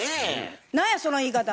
何やその言い方。